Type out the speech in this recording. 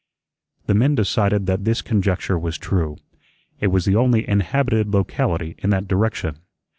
The men decided that this conjecture was true. It was the only inhabited locality in that direction.